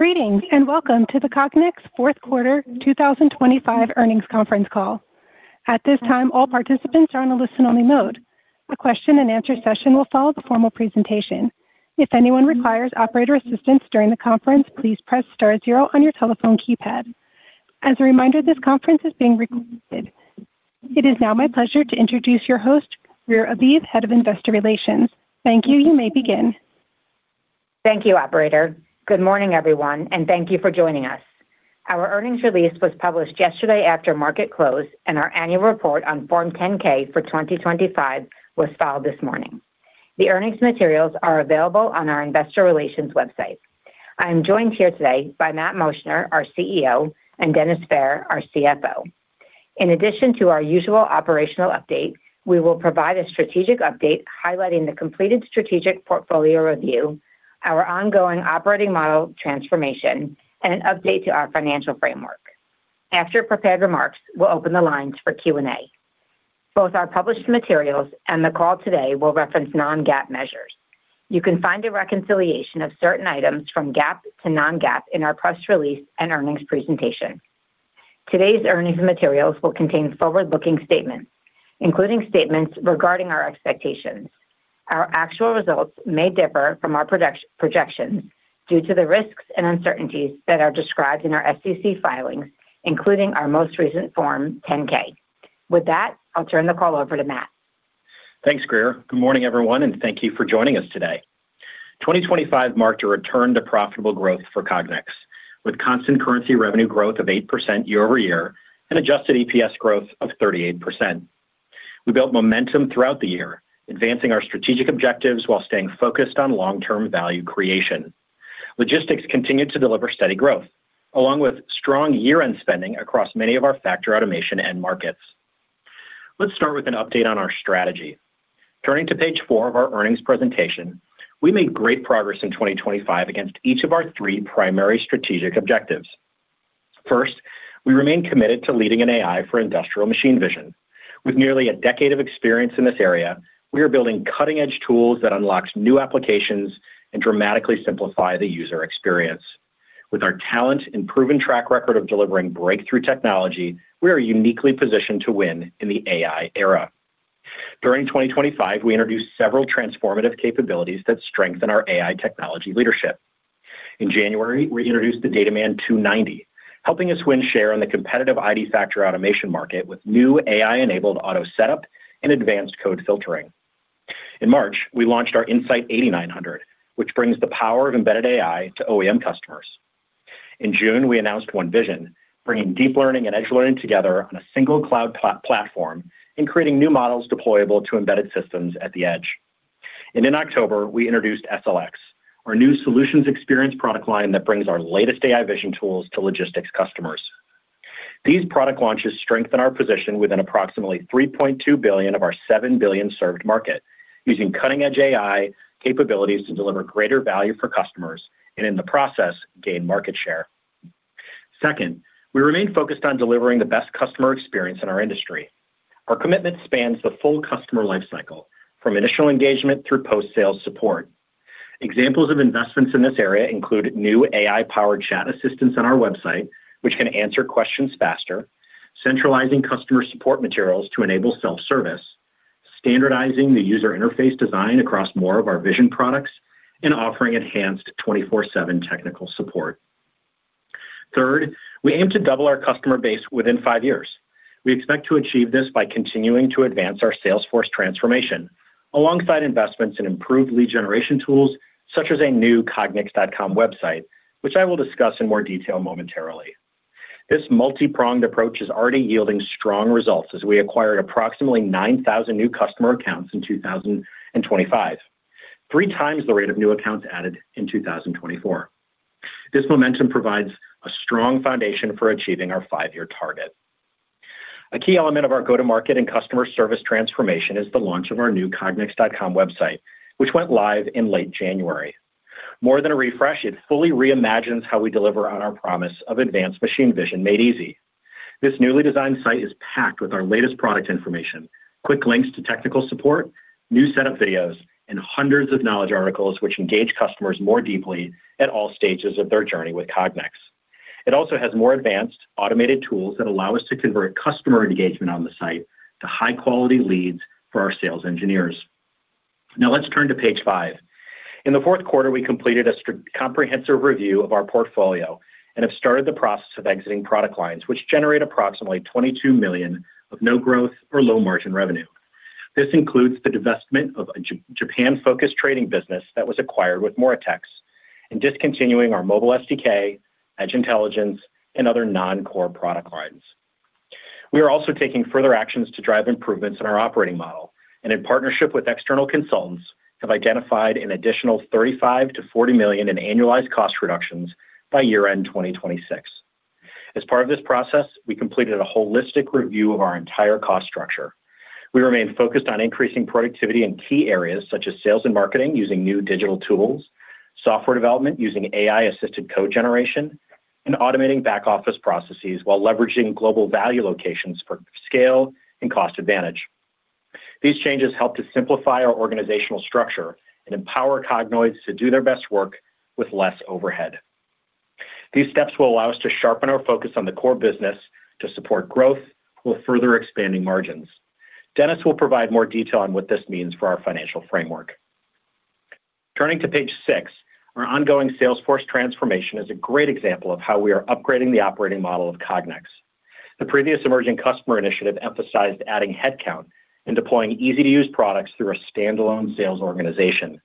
Greetings, and welcome to the Cognex Fourth Quarter 2025 Earnings Conference Call. At this time, all participants are on a listen-only mode. A question and answer session will follow the formal presentation. If anyone requires operator assistance during the conference, please press star zero on your telephone keypad. As a reminder, this conference is being recorded. It is now my pleasure to introduce your host, Greer Aviv, Head of Investor Relations. Thank you. You may begin. Thank you, operator. Good morning, everyone, and thank you for joining us. Our earnings release was published yesterday after market close, and our annual report on Form 10-K for 2025 was filed this morning. The earnings materials are available on our investor relations website. I am joined here today by Matt Moschner, our CEO, and Dennis Fehr, our CFO. In addition to our usual operational update, we will provide a strategic update highlighting the completed strategic portfolio review, our ongoing operating model transformation, and an update to our financial framework. After prepared remarks, we'll open the lines for Q&A. Both our published materials and the call today will reference non-GAAP measures. You can find a reconciliation of certain items from GAAP to non-GAAP in our press release and earnings presentation. Today's earnings and materials will contain forward-looking statements, including statements regarding our expectations. Our actual results may differ from our projected projections due to the risks and uncertainties that are described in our SEC filings, including our most recent Form 10-K. With that, I'll turn the call over to Matt. Thanks, Greer. Good morning, everyone, and thank you for joining us today. 2025 marked a return to profitable growth for Cognex, with constant currency revenue growth of 8% year-over-year and adjusted EPS growth of 38%. We built momentum throughout the year, advancing our strategic objectives while staying focused on long-term value creation. Logistics continued to deliver steady growth, along with strong year-end spending across many of our Factory Automation end markets. Let's start with an update on our strategy. Turning to page four of our earnings presentation, we made great progress in 2025 against each of our three primary strategic objectives. First, we remain committed to leading in AI for industrial machine vision. With nearly a decade of experience in this area, we are building cutting-edge tools that unlocks new applications and dramatically simplify the user experience. With our talent and proven track record of delivering breakthrough technology, we are uniquely positioned to win in the AI era. During 2025, we introduced several transformative capabilities that strengthen our AI technology leadership. In January, we introduced the DataMan 290, helping us win share on the competitive ID factory automation market with new AI-enabled auto setup and advanced code filtering. In March, we launched our In-Sight 8900, which brings the power of embedded AI to OEM customers. In June, we announced OneVision, bringing deep learning and edge learning together on a single cloud platform and creating new models deployable to embedded systems at the edge. And in October, we introduced SLX, our new solutions experience product line that brings our latest AI vision tools to logistics customers. These product launches strengthen our position within approximately $3.2 billion of our $7 billion served market, using cutting-edge AI capabilities to deliver greater value for customers, and in the process, gain market share. Second, we remain focused on delivering the best customer experience in our industry. Our commitment spans the full customer life cycle, from initial engagement through post-sales support. Examples of investments in this area include new AI-powered chat assistants on our website, which can answer questions faster, centralizing customer support materials to enable self-service, standardizing the user interface design across more of our vision products, and offering enhanced 24/7 technical support. Third, we aim to double our customer base within five years. We expect to achieve this by continuing to advance our sales force transformation, alongside investments in improved lead generation tools, such as a new Cognex.com website, which I will discuss in more detail momentarily. This multi-pronged approach is already yielding strong results as we acquired approximately 9,000 new customer accounts in 2025, three times the rate of new accounts added in 2024. This momentum provides a strong foundation for achieving our five-year target. A key element of our go-to-market and customer service transformation is the launch of our new Cognex.com website, which went live in late January. More than a refresh, it fully reimagines how we deliver on our promise of advanced machine vision made easy. This newly designed site is packed with our latest product information, quick links to technical support, new setup videos, and hundreds of knowledge articles which engage customers more deeply at all stages of their journey with Cognex. It also has more advanced automated tools that allow us to convert customer engagement on the site to high-quality leads for our sales engineers. Now, let's turn to page five. In the fourth quarter, we completed a comprehensive review of our portfolio and have started the process of exiting product lines, which generate approximately $22 million of no growth or low margin revenue. This includes the divestment of a Japan-focused trading business that was acquired with Moritex and discontinuing our Mobile SDK, Edge Intelligence, and other non-core product lines. We are also taking further actions to drive improvements in our operating model, and in partnership with external consultants, have identified an additional $35 million-$40 million in annualized cost reductions by year-end 2026. As part of this process, we completed a holistic review of our entire cost structure. We remain focused on increasing productivity in key areas, such as sales and marketing, using new digital tools, software development, using AI-assisted code generation, and automating back-office processes while leveraging global value locations for scale and cost advantage... These changes help to simplify our organizational structure and empower Cognoids to do their best work with less overhead. These steps will allow us to sharpen our focus on the core business to support growth while further expanding margins. Dennis will provide more detail on what this means for our financial framework. Turning to page six, our ongoing sales force transformation is a great example of how we are upgrading the operating model of Cognex. The previous emerging customer initiative emphasized adding headcount and deploying easy-to-use products through a standalone sales organization.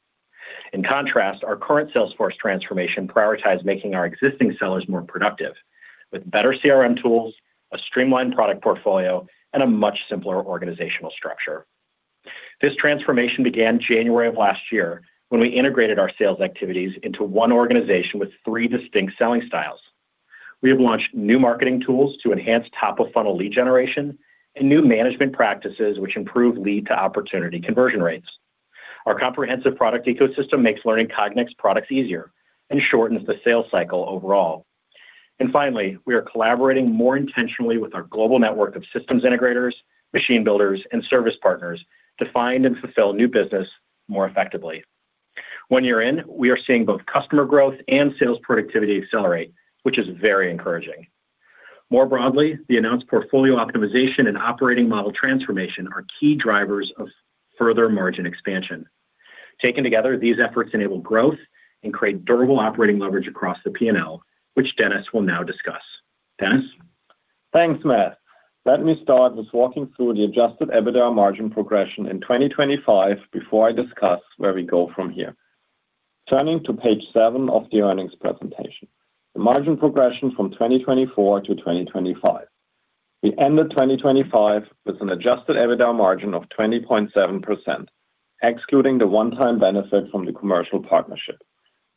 In contrast, our current sales force transformation prioritizes making our existing sellers more productive, with better CRM tools, a streamlined product portfolio, and a much simpler organizational structure. This transformation began January of last year, when we integrated our sales activities into one organization with three distinct selling styles. We have launched new marketing tools to enhance top-of-funnel lead generation and new management practices which improve lead to opportunity conversion rates. Our comprehensive product ecosystem makes learning Cognex products easier and shortens the sales cycle overall. And finally, we are collaborating more intentionally with our global network of systems integrators, machine builders, and service partners to find and fulfill new business more effectively. One year in, we are seeing both customer growth and sales productivity accelerate, which is very encouraging. More broadly, the announced portfolio optimization and operating model transformation are key drivers of further margin expansion. Taken together, these efforts enable growth and create durable operating leverage across the P&L, which Dennis will now discuss. Dennis? Thanks, Matt. Let me start with walking through the adjusted EBITDA margin progression in 2025 before I discuss where we go from here. Turning to page seven of the earnings presentation, the margin progression from 2024 to 2025. We ended 2025 with an adjusted EBITDA margin of 20.7%, excluding the one-time benefit from the Commercial Partnership.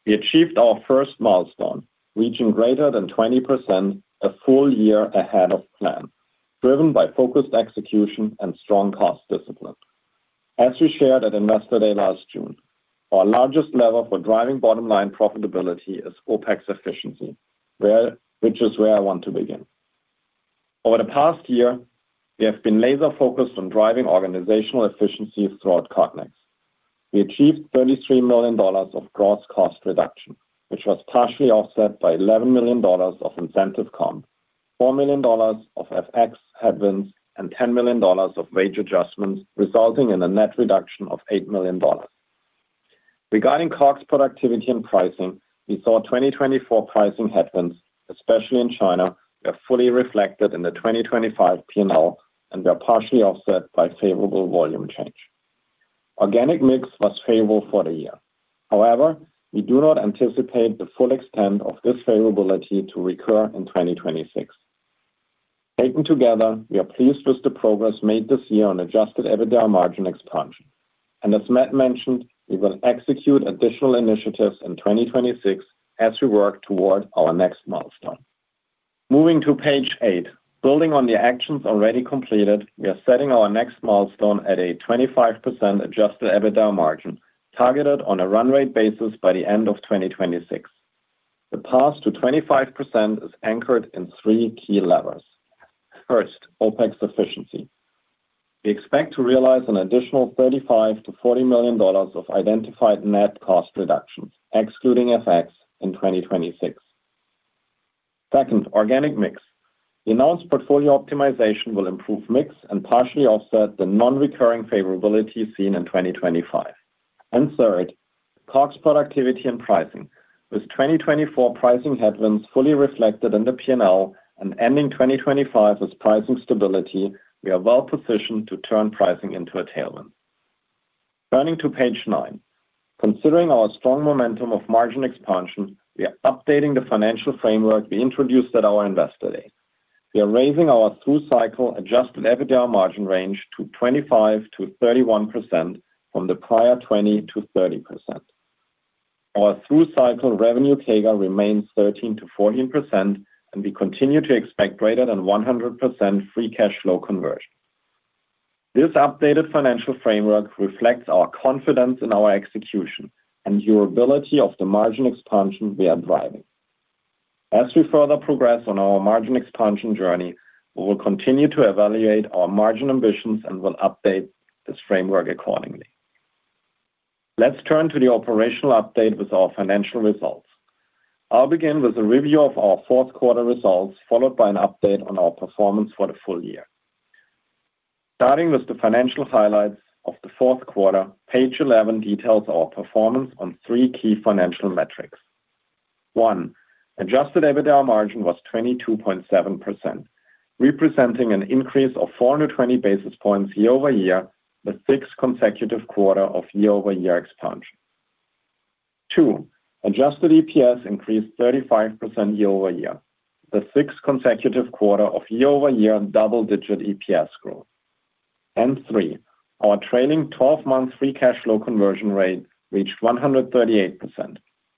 We achieved our first milestone, reaching greater than 20% a full year ahead of plan, driven by focused execution and strong cost discipline. As we shared at Investor Day last June, our largest lever for driving bottom line profitability is OpEx efficiency, which is where I want to begin. Over the past year, we have been laser focused on driving organizational efficiencies throughout Cognex. We achieved $33 million of gross cost reduction, which was partially offset by $11 million of incentive comp, $4 million of FX headwinds, and $10 million of wage adjustments, resulting in a net reduction of $8 million. Regarding COGS productivity and pricing, we saw 2024 pricing headwinds, especially in China, were fully reflected in the 2025 P&L and were partially offset by favorable volume change. Organic mix was favorable for the year. However, we do not anticipate the full extent of this favorability to recur in 2026. Taken together, we are pleased with the progress made this year on adjusted EBITDA margin expansion, and as Matt mentioned, we will execute additional initiatives in 2026 as we work toward our next milestone. Moving to page eight. Building on the actions already completed, we are setting our next milestone at a 25% adjusted EBITDA margin, targeted on a run rate basis by the end of 2026. The path to 25% is anchored in three key levers. First, OpEx efficiency. We expect to realize an additional $35 million-$40 million of identified net cost reductions, excluding FX, in 2026. Second, organic mix. The announced portfolio optimization will improve mix and partially offset the non-recurring favorability seen in 2025. And third, COGS productivity and pricing. With 2024 pricing headwinds fully reflected in the P&L and ending 2025 with pricing stability, we are well positioned to turn pricing into a tailwind. Turning to page nine. Considering our strong momentum of margin expansion, we are updating the financial framework we introduced at our Investor Day. We are raising our through-cycle adjusted EBITDA margin range to 25%-31% from the prior 20%-30%. Our through-cycle revenue CAGR remains 13%-14%, and we continue to expect greater than 100% free cash flow conversion. This updated financial framework reflects our confidence in our execution and durability of the margin expansion we are driving. As we further progress on our margin expansion journey, we will continue to evaluate our margin ambitions and will update this framework accordingly. Let's turn to the operational update with our financial results. I'll begin with a review of our fourth quarter results, followed by an update on our performance for the full year. Starting with the financial highlights of the fourth quarter, page eleven details our performance on three key financial metrics. One, adjusted EBITDA margin was 22.7%, representing an increase of 420 basis points year-over-year, the sixth consecutive quarter of year-over-year expansion. Two, adjusted EPS increased 35% year-over-year, the sixth consecutive quarter of year-over-year double-digit EPS growth. And three, our trailing 12-month free cash flow conversion rate reached 138%,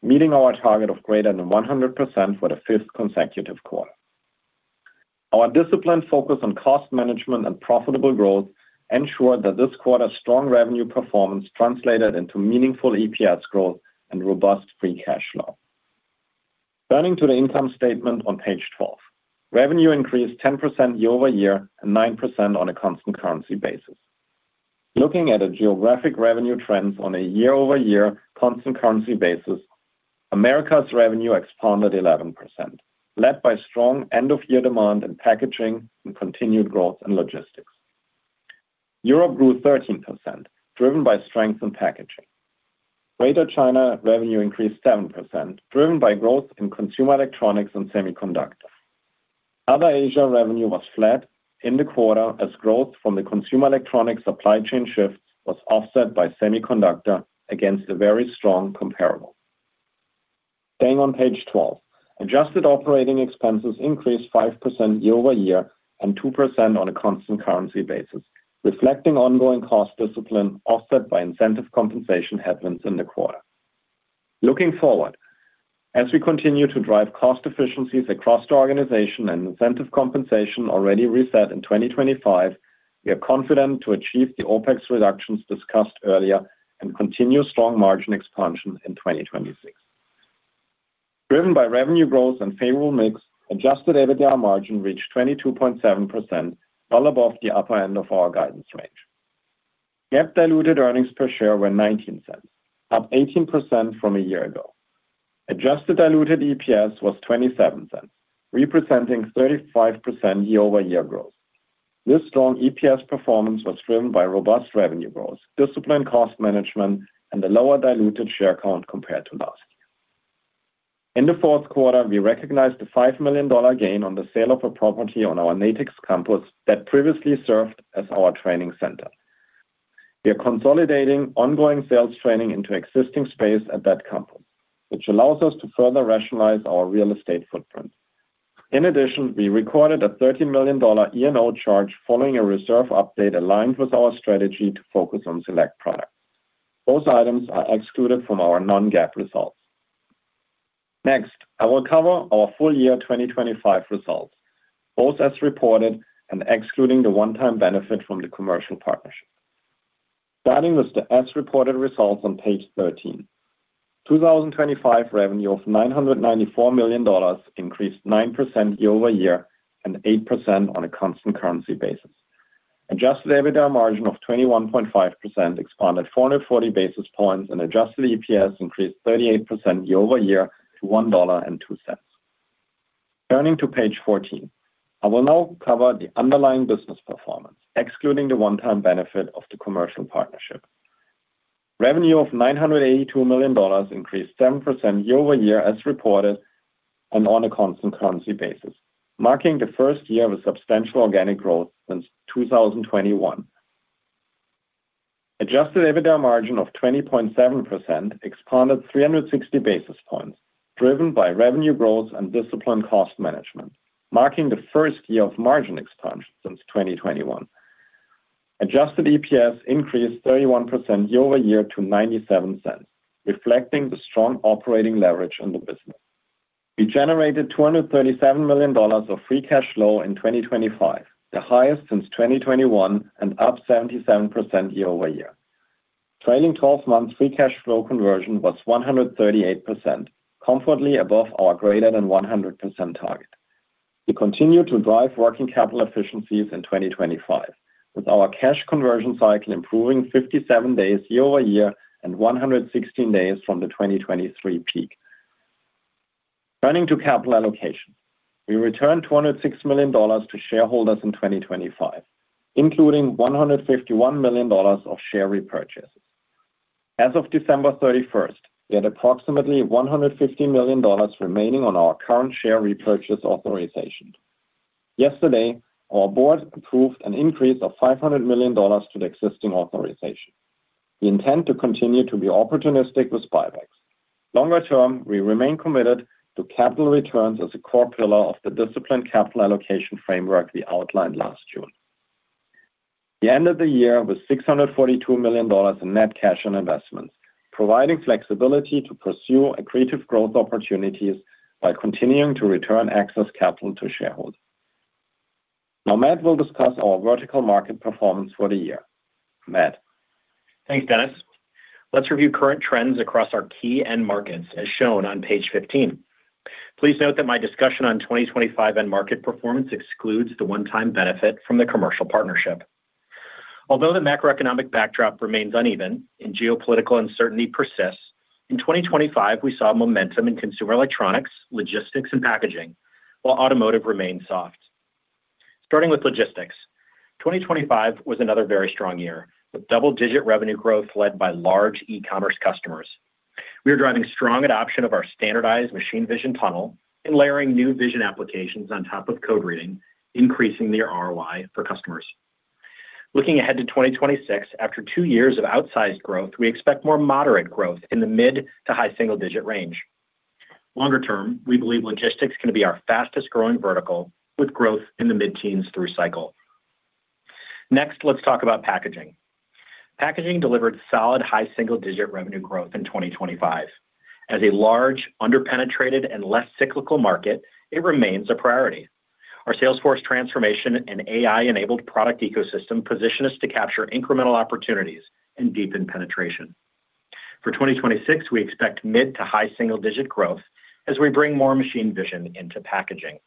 meeting our target of greater than 100% for the fifth consecutive quarter. Our disciplined focus on cost management and profitable growth ensured that this quarter's strong revenue performance translated into meaningful EPS growth and robust free cash flow.... Turning to the income statement on page 12. Revenue increased 10% year-over-year, and 9% on a constant currency basis. Looking at geographic revenue trends on a year-over-year constant currency basis, Americas revenue expanded 11%, led by strong end-of-year demand in packaging and continued growth in logistics. Europe grew 13%, driven by strength in packaging. Greater China revenue increased 7%, driven by growth in consumer electronics and semiconductor. Other Asia revenue was flat in the quarter as growth from the consumer electronics supply chain shift was offset by semiconductor against a very strong comparable. Staying on page 12, adjusted operating expenses increased 5% year-over-year and 2% on a constant currency basis, reflecting ongoing cost discipline offset by incentive compensation headwinds in the quarter. Looking forward, as we continue to drive cost efficiencies across the organization and incentive compensation already reset in 2025, we are confident to achieve the OpEx reductions discussed earlier and continue strong margin expansion in 2026. Driven by revenue growth and favorable mix, adjusted EBITDA margin reached 22.7%, well above the upper end of our guidance range. GAAP diluted earnings per share were $0.19, up 18% from a year ago. Adjusted diluted EPS was $0.27, representing 35% year-over-year growth. This strong EPS performance was driven by robust revenue growth, disciplined cost management, and a lower diluted share count compared to last year. In the fourth quarter, we recognized a $5 million gain on the sale of a property on our Natick campus that previously served as our training center. We are consolidating ongoing sales training into existing space at that campus, which allows us to further rationalize our real estate footprint. In addition, we recorded a $13 million E&O charge following a reserve update aligned with our strategy to focus on select products. Both items are excluded from our non-GAAP results. Next, I will cover our full year 2025 results, both as reported and excluding the one-time benefit from the Commercial Partnership. Starting with the as-reported results on page 13. 2025 revenue of $994 million increased 9% year-over-year and 8% on a constant currency basis. Adjusted EBITDA margin of 21.5% expanded 440 basis points, and adjusted EPS increased 38% year-over-year to $1.02. Turning to page 14. I will now cover the underlying business performance, excluding the one-time benefit of the Commercial Partnership. Revenue of $982 million increased 7% year-over-year as reported and on a constant currency basis, marking the first year of a substantial organic growth since 2021. Adjusted EBITDA margin of 20.7% expanded 360 basis points, driven by revenue growth and disciplined cost management, marking the first year of margin expansion since 2021. Adjusted EPS increased 31% year-over-year to $0.97, reflecting the strong operating leverage in the business. We generated $237 million of free cash flow in 2025, the highest since 2021 and up 77% year-over-year. Trailing twelve-month free cash flow conversion was 138%, comfortably above our greater than 100% target. We continued to drive working capital efficiencies in 2025, with our cash conversion cycle improving 57 days year-over-year and 116 days from the 2023 peak. Turning to capital allocation. We returned $206 million to shareholders in 2025, including $151 million of share repurchases. As of December 31st, we had approximately $150 million remaining on our current share repurchase authorization. Yesterday, our board approved an increase of $500 million to the existing authorization. We intend to continue to be opportunistic with buybacks. Longer term, we remain committed to capital returns as a core pillar of the disciplined capital allocation framework we outlined last June. We ended the year with $642 million in net cash and investments, providing flexibility to pursue accretive growth opportunities by continuing to return excess capital to shareholders. Now, Matt will discuss our vertical market performance for the year. Matt? Thanks, Dennis. Let's review current trends across our key end markets, as shown on page 15. Please note that my discussion on 2025 end market performance excludes the one-time benefit from the Commercial Partnership. Although the macroeconomic backdrop remains uneven and geopolitical uncertainty persists, in 2025, we saw momentum in consumer electronics, logistics, and packaging, while automotive remained soft. Starting with logistics, 2025 was another very strong year, with double-digit revenue growth led by large e-commerce customers. We are driving strong adoption of our standardized machine vision tunnel and layering new vision applications on top of code reading, increasing the ROI for customers. Looking ahead to 2026, after two years of outsized growth, we expect more moderate growth in the mid to high single digit range. Longer term, we believe logistics is gonna be our fastest growing vertical, with growth in the mid-teens through cycle. Next, let's talk about packaging. Packaging delivered solid, high single-digit revenue growth in 2025. As a large, underpenetrated, and less cyclical market, it remains a priority. Our sales force transformation and AI-enabled product ecosystem position us to capture incremental opportunities and deepen penetration. For 2026, we expect mid to high single-digit growth as we bring more machine vision into packaging.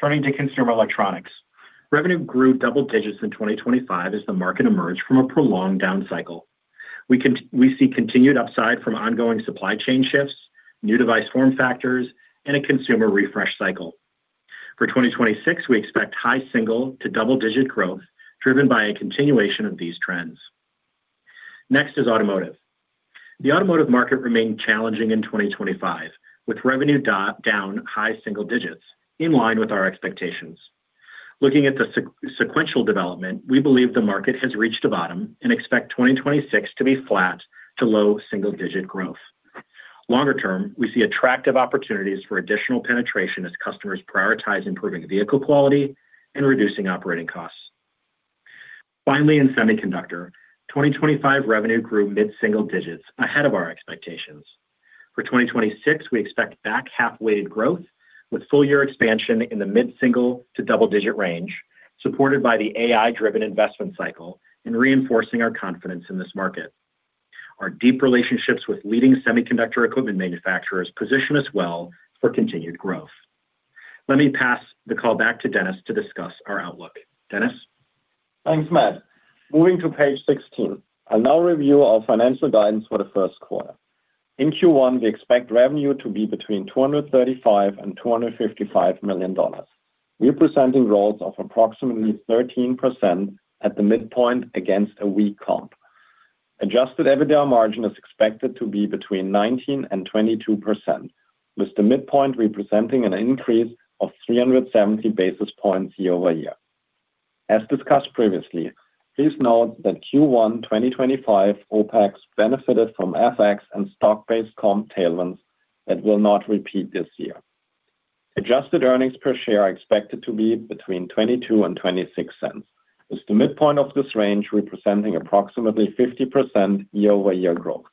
Turning to consumer electronics. Revenue grew double digits in 2025 as the market emerged from a prolonged down cycle. We see continued upside from ongoing supply chain shifts, new device form factors, and a consumer refresh cycle. For 2026, we expect high single to double-digit growth, driven by a continuation of these trends. Next is automotive. The automotive market remained challenging in 2025, with revenue down high single digits, in line with our expectations. Looking at the sequential development, we believe the market has reached a bottom and expect 2026 to be flat to low single-digit growth. Longer term, we see attractive opportunities for additional penetration as customers prioritize improving vehicle quality and reducing operating costs. Finally, in semiconductor, 2025 revenue grew mid-single digits, ahead of our expectations. For 2026, we expect back-half-weighted growth, with full-year expansion in the mid-single to double-digit range, supported by the AI-driven investment cycle and reinforcing our confidence in this market. Our deep relationships with leading semiconductor equipment manufacturers position us well for continued growth. Let me pass the call back to Dennis to discuss our outlook. Dennis? Thanks, Matt. Moving to page 16. I'll now review our financial guidance for the first quarter. In Q1, we expect revenue to be between $235 million and $255 million, representing growth of approximately 13% at the midpoint against a weak comp. Adjusted EBITDA margin is expected to be between 19% and 22%, with the midpoint representing an increase of 370 basis points year-over-year. As discussed previously, please note that Q1 2025 OpEx benefited from FX and stock-based comp tailwinds that will not repeat this year. Adjusted earnings per share are expected to be between $0.22 and $0.26, with the midpoint of this range representing approximately 50% year-over-year growth.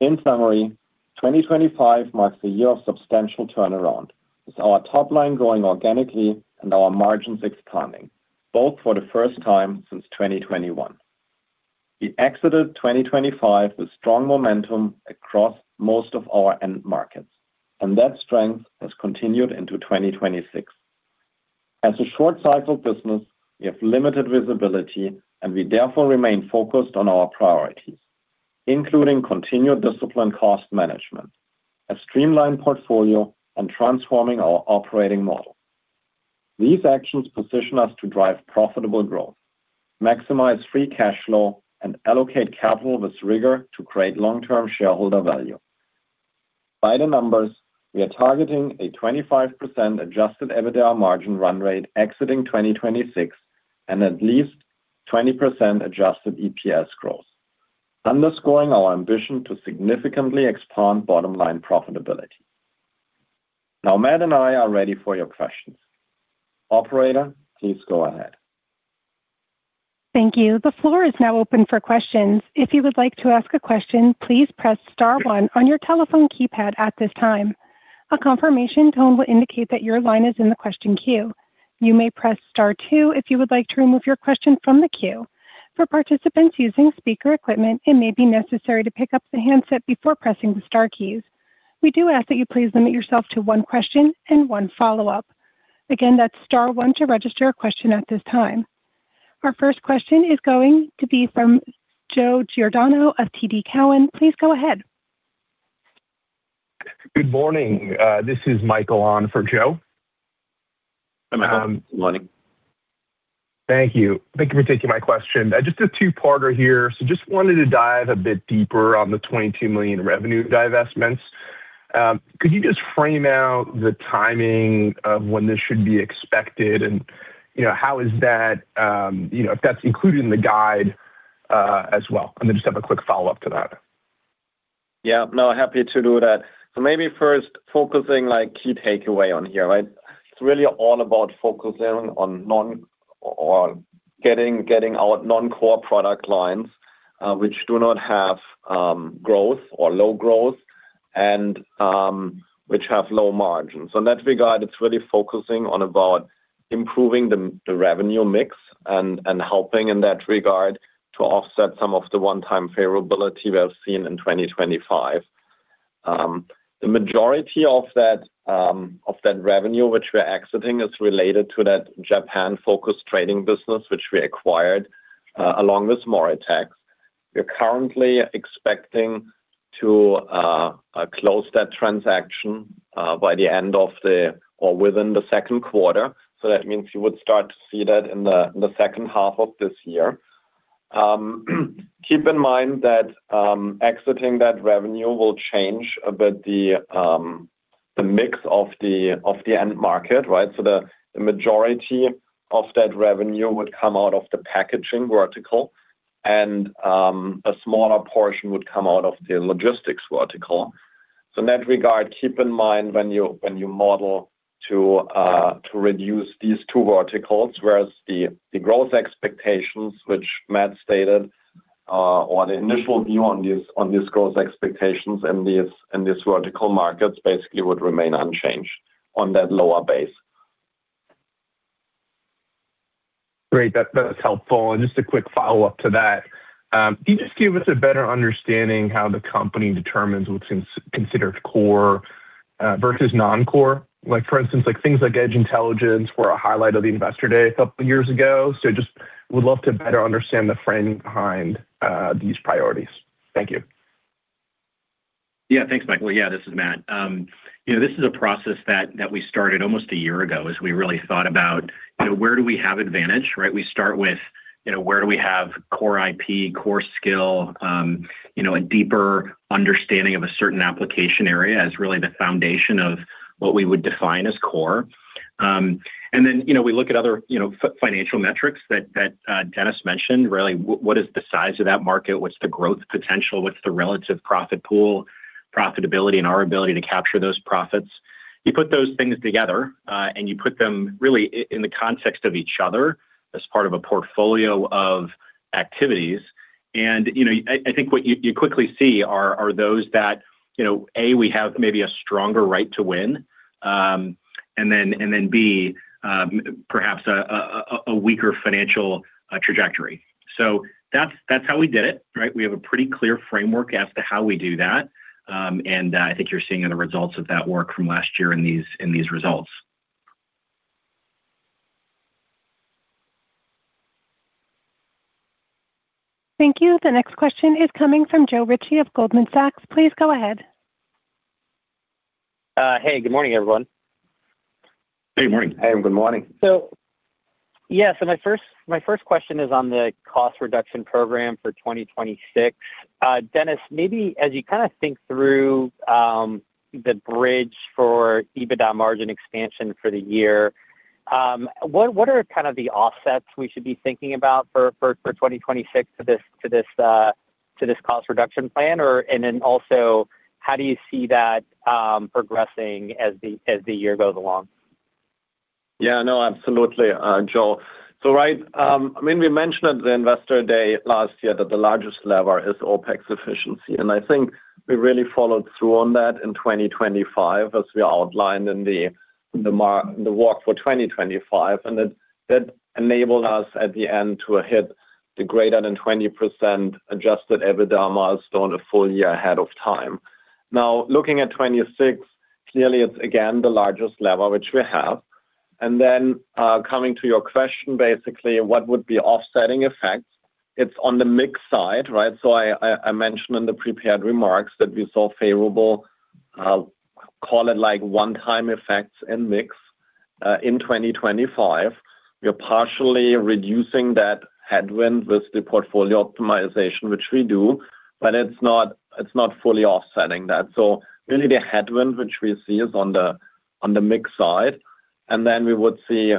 In summary, 2025 marks a year of substantial turnaround, with our top line growing organically and our margins expanding, both for the first time since 2021. We exited 2025 with strong momentum across most of our end markets, and that strength has continued into 2026. As a short cycle business, we have limited visibility, and we therefore remain focused on our priorities, including continued disciplined cost management, a streamlined portfolio, and transforming our operating model. These actions position us to drive profitable growth, maximize free cash flow, and allocate capital with rigor to create long-term shareholder value. By the numbers, we are targeting a 25% adjusted EBITDA margin run rate exiting 2026, and at least 20% adjusted EPS growth, underscoring our ambition to significantly expand bottom line profitability. Now, Matt and I are ready for your questions. Operator, please go ahead. Thank you. The floor is now open for questions. If you would like to ask a question, please press star one on your telephone keypad at this time. A confirmation tone will indicate that your line is in the question queue. You may press star two if you would like to remove your question from the queue. For participants using speaker equipment, it may be necessary to pick up the handset before pressing the star keys. We do ask that you please limit yourself to one question and one follow-up. Again, that's star one to register a question at this time. Our first question is going to be from Joe Giordano of TD Cowen. Please go ahead. Good morning. This is Michael on for Joe. Hi, Michael. Good morning. Thank you. Thank you for taking my question. Just a two-parter here. So just wanted to dive a bit deeper on the $22 million revenue divestments. Could you just frame out the timing of when this should be expected? And, you know, how is that, you know, if that's included in the guide, as well? And then just have a quick follow-up to that. Yeah. No, happy to do that. So maybe first, focusing, like, key takeaway on here, right? It's really all about focusing on non-core or getting our non-core product lines, which do not have growth or low growth and which have low margins. So in that regard, it's really focusing on improving the revenue mix and helping in that regard to offset some of the one-time favorability we have seen in 2025. The majority of that revenue, which we are exiting, is related to that Japan-focused trading business, which we acquired along with Moritex. We're currently expecting to close that transaction by the end of the year or within the second quarter. So that means you would start to see that in the second half of this year. Keep in mind that, exiting that revenue will change, but the mix of the end market, right? So the majority of that revenue would come out of the packaging vertical, and a smaller portion would come out of the logistics vertical. So in that regard, keep in mind when you model to reduce these two verticals, whereas the growth expectations, which Matt stated, or the initial view on these growth expectations and these vertical markets basically would remain unchanged on that lower base. Great, that's helpful. And just a quick follow-up to that, can you just give us a better understanding how the company determines what's considered core versus non-core? Like, for instance, like things like Edge Intelligence were a highlight of the Investor Day a couple years ago, so just would love to better understand the framing behind these priorities. Thank you. Yeah, thanks, Michael. Yeah, this is Matt. You know, this is a process that we started almost a year ago as we really thought about, you know, where do we have advantage, right? We start with, you know, where do we have core IP, core skill, you know, a deeper understanding of a certain application area is really the foundation of what we would define as core. And then, you know, we look at other, you know, financial metrics that Dennis mentioned, really, what is the size of that market? What's the growth potential? What's the relative profit pool, profitability, and our ability to capture those profits? You put those things together, and you put them really in the context of each other as part of a portfolio of activities. You know, I think what you quickly see are those that, you know, A, we have maybe a stronger right to win, and then B, perhaps a weaker financial trajectory. So that's how we did it, right? We have a pretty clear framework as to how we do that, and I think you're seeing the results of that work from last year in these results. Thank you. The next question is coming from Joe Ritchie of Goldman Sachs. Please go ahead. Hey, good morning, everyone. Hey, morning. Hey, good morning. My first question is on the cost reduction program for 2026. Dennis, maybe as you kind of think through the bridge for EBITDA margin expansion for the year, what are kind of the offsets we should be thinking about for 2026 to this cost reduction plan, or... And then also, how do you see that progressing as the year goes along? Yeah, no, absolutely, Joe. So, right, I mean, we mentioned at the Investor Day last year that the largest lever is OpEx efficiency, and I think we really followed through on that in 2025, as we outlined in the margin walk for 2025. And that enabled us at the end to hit the greater than 20% adjusted EBITDA milestone a full year ahead of time. Now, looking at 2026, clearly, it's again, the largest lever which we have. And then, coming to your question, basically, what would be offsetting effects? It's on the mix side, right? So I mentioned in the prepared remarks that we saw favorable, call it like one-time effects and mix, in 2025. We are partially reducing that headwind with the portfolio optimization, which we do, but it's not fully offsetting that. So really the headwind which we see is on the mix side, and then we would see,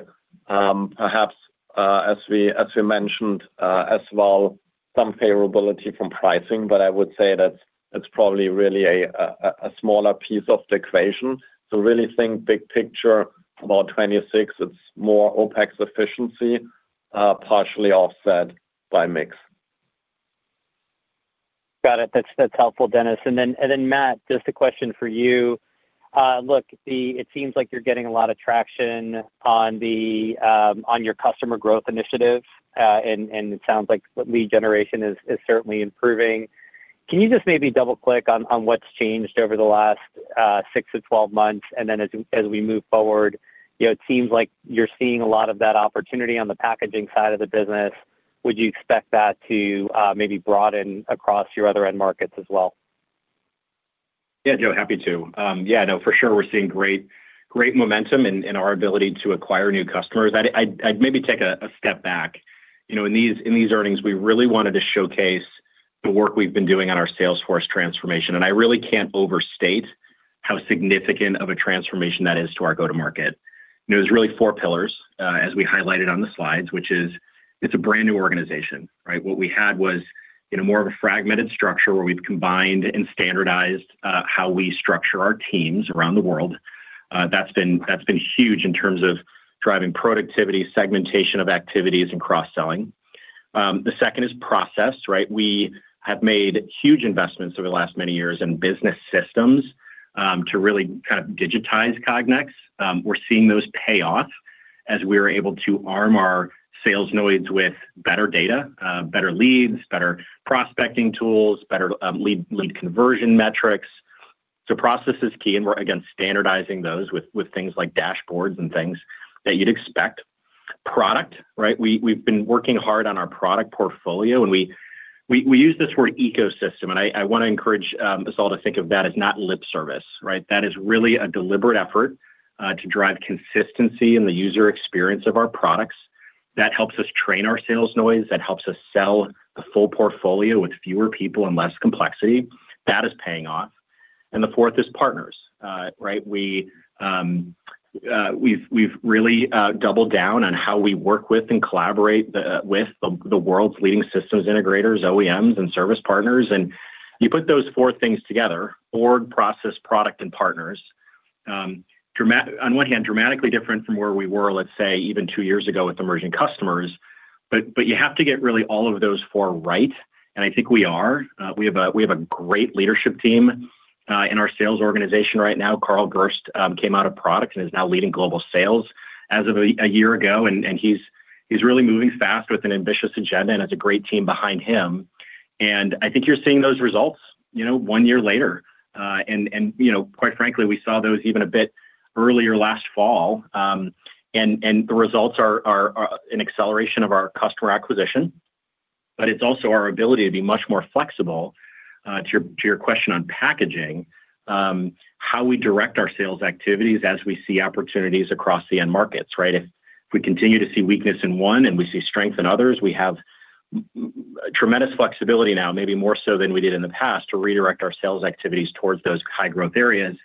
perhaps, as we mentioned, as well, some favorability from pricing, but I would say that it's probably really a smaller piece of the equation. So really think big picture about 2026, it's more OpEx efficiency, partially offset by mix. Got it. That's helpful, Dennis. And then, Matt, just a question for you. Look, it seems like you're getting a lot of traction on your customer growth initiatives, and it sounds like lead generation is certainly improving. Can you just maybe double-click on what's changed over the last six to twelve months? And then as we move forward, you know, it seems like you're seeing a lot of that opportunity on the packaging side of the business. Would you expect that to maybe broaden across your other end markets as well? Yeah, Joe, happy to. Yeah, no, for sure, we're seeing great, great momentum in our ability to acquire new customers. I'd maybe take a step back. You know, in these earnings, we really wanted to showcase the work we've been doing on our sales force transformation, and I really can't overstate how significant of a transformation that is to our go-to-market. There's really four pillars, as we highlighted on the slides, which is it's a brand-new organization, right? What we had was, you know, more of a fragmented structure where we've combined and standardized how we structure our teams around the world. That's been huge in terms of driving productivity, segmentation of activities, and cross-selling. The second is process, right? We have made huge investments over the last many years in business systems to really kind of digitize Cognex. We're seeing those pay off as we're able to arm our sales force with better data, better leads, better prospecting tools, better lead conversion metrics. So process is key, and we're again standardizing those with things like dashboards and things that you'd expect. Product, right? We've been working hard on our product portfolio, and we use this word ecosystem, and I want to encourage us all to think of that as not lip service, right? That is really a deliberate effort to drive consistency in the user experience of our products. That helps us train our sales force. That helps us sell the full portfolio with fewer people and less complexity. That is paying off. The fourth is partners. Right? We've really doubled down on how we work with and collaborate with the world's leading systems integrators, OEMs, and service partners. You put those four things together: org, process, product, and partners, on one hand, dramatically different from where we were, let's say, even two years ago with emerging customers. But you have to get really all of those four right, and I think we are. We have a great leadership team in our sales organization right now. Carl Gerst came out of product and is now leading global sales as of a year ago, and he's really moving fast with an ambitious agenda and has a great team behind him. I think you're seeing those results, you know, one year later. And you know, quite frankly, we saw those even a bit earlier last fall. And the results are an acceleration of our customer acquisition, but it's also our ability to be much more flexible, to your question on packaging, how we direct our sales activities as we see opportunities across the end markets, right? If we continue to see weakness in one and we see strength in others, we have tremendous flexibility now, maybe more so than we did in the past, to redirect our sales activities towards those high-growth areas,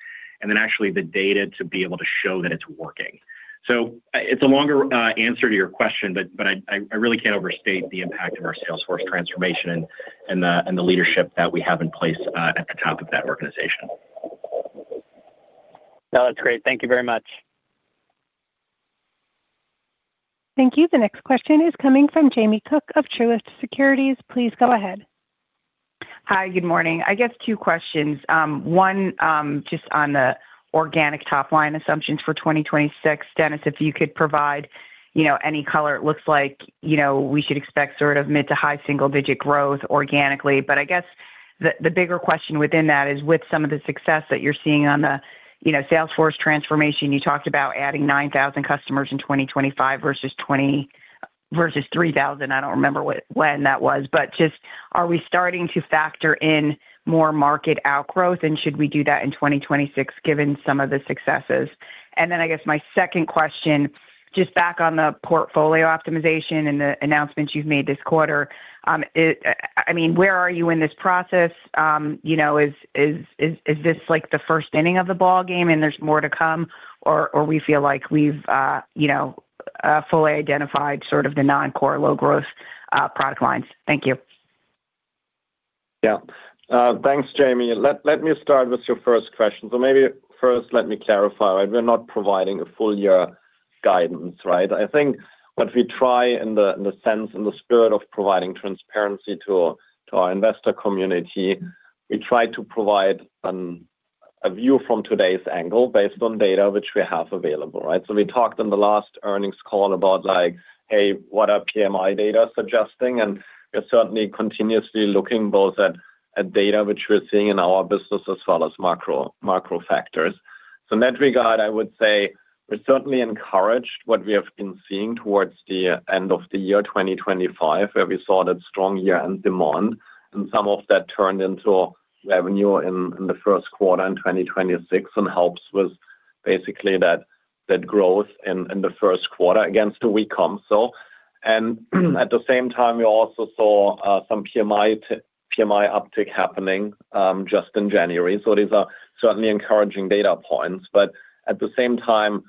and then actually the data to be able to show that it's working. So it's a longer answer to your question, but I really can't overstate the impact of our sales force transformation and the leadership that we have in place at the top of that organization. No, that's great. Thank you very much. Thank you. The next question is coming from Jamie Cook of Truist Securities. Please go ahead. Hi, good morning. I guess two questions. One, just on the organic top-line assumptions for 2026. Dennis, if you could provide, you know, any color. It looks like, you know, we should expect sort of mid to high single-digit growth organically. But I guess the bigger question within that is, with some of the success that you're seeing on the, you know, sales force transformation, you talked about adding 9,000 customers in 2025 versus 3,000. I don't remember when that was. But just are we starting to factor in more market outgrowth, and should we do that in 2026, given some of the successes? And then I guess my second question, just back on the portfolio optimization and the announcements you've made this quarter, I mean, where are you in this process? You know, is this, like, the first inning of the ballgame, and there's more to come, or we feel like we've, you know, fully identified sort of the non-core, low-growth product lines? Thank you. Yeah. Thanks, Jamie. Let me start with your first question. So maybe first, let me clarify, right? We're not providing a full year guidance, right? I think what we try in the sense, in the spirit of providing transparency to our investor community, we try to provide a view from today's angle based on data which we have available, right? So we talked on the last earnings call about like, "Hey, what are PMI data suggesting?" And we're certainly continuously looking both at data which we're seeing in our business, as well as macro factors. So in that regard, I would say we're certainly encouraged what we have been seeing towards the end of the year 2025, where we saw that strong year-end demand, and some of that turned into revenue in the first quarter in 2026, and helps with basically that growth in the first quarter against a weak comp. And at the same time, we also saw some PMI uptick happening just in January. So these are certainly encouraging data points. But at the same time,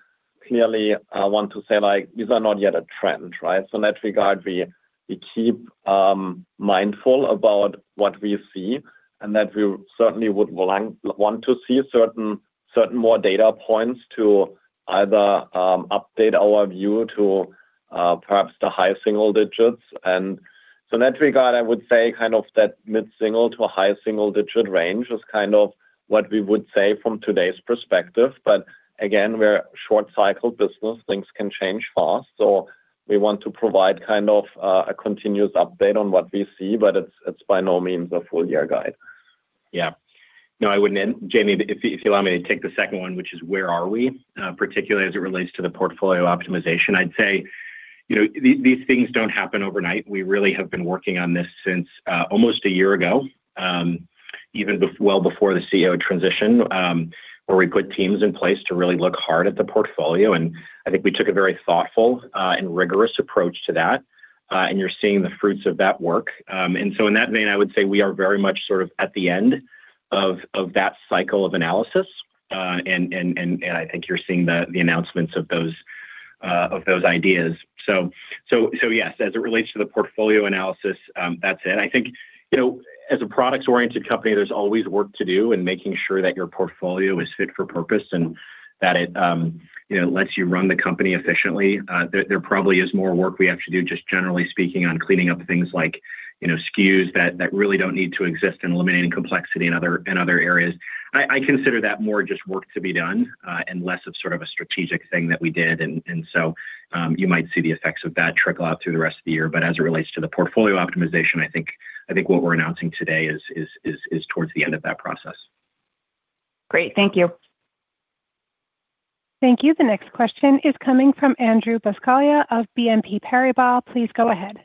clearly, I want to say, like, these are not yet a trend, right? So in that regard, we keep mindful about what we see and that we certainly would want to see certain more data points to either update our view to perhaps the high single digits. In that regard, I would say kind of that mid-single to a high single-digit range is kind of what we would say from today's perspective. Again, we're a short cycle business. Things can change fast. We want to provide kind of a continuous update on what we see, but it's by no means a full year guide. Yeah. No, I wouldn't. And Jamie, if you allow me to take the second one, which is: where are we? Particularly as it relates to the portfolio optimization, I'd say, you know, these things don't happen overnight. We really have been working on this since almost a year ago, even well before the CEO transition, where we put teams in place to really look hard at the portfolio. And I think we took a very thoughtful and rigorous approach to that, and you're seeing the fruits of that work. And so in that vein, I would say we are very much sort of at the end of that cycle of analysis. And I think you're seeing the announcements of those ideas. So yes, as it relates to the portfolio analysis, that's it. I think, you know, as a products-oriented company, there's always work to do in making sure that your portfolio is fit for purpose and that it, you know, lets you run the company efficiently. There probably is more work we have to do, just generally speaking, on cleaning up things like, you know, SKUs that really don't need to exist and eliminating complexity in other areas. I consider that more just work to be done, and less of sort of a strategic thing that we did. And so, you might see the effects of that trickle out through the rest of the year. But as it relates to the portfolio optimization, I think what we're announcing today is towards the end of that process. Great. Thank you. Thank you. The next question is coming from Andrew Buscaglia of BNP Paribas. Please go ahead.